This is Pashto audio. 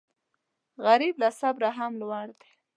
غریب له صبره هم لوړ دی